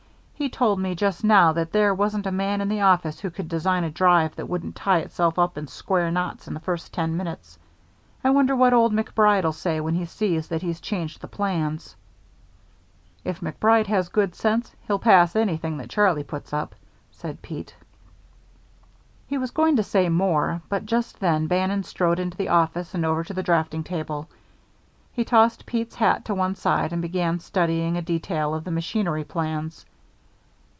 He told me just now that there wasn't a man in the office who could design a drive that wouldn't tie itself up in square knots in the first ten minutes. I wonder what old MacBride'll say when he sees that he's changed the plans." "If MacBride has good sense, he'll pass anything that Charlie puts up," said Pete. He was going to say more, but just then Bannon strode into the office and over to the draughting table. He tossed Pete's hat to one side and began studying a detail of the machinery plans.